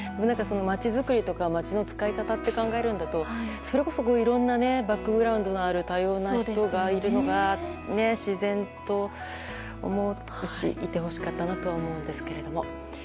まちづくりとか街の使い方を考えるとそれこそいろんなバックグラウンドのある多様な人がいるのが自然と思うしいてほしかったなと思うんですけれども。